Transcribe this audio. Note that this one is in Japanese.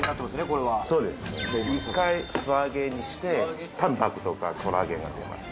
これはそうですね１回素揚げにしてたんぱくとかコラーゲンが出ます